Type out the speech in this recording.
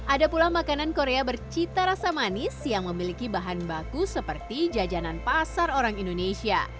ada pula makanan korea bercita rasa manis yang memiliki bahan baku seperti jajanan pasar orang indonesia